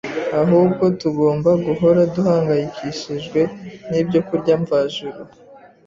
ahubwo tugomba guhora duhangayikishijwe n’ibyokurya mvajuru,